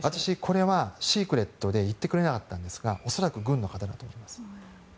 これはシークレットで言ってくれなかったのですが恐らく、軍の方だと思います。